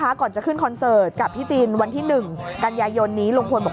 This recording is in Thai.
ก่อนจะขึ้นคอนเสิร์ตกับพี่จินวันที่๑กันยายนนี้ลุงพลบอก